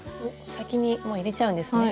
先にもう入れちゃうんですね。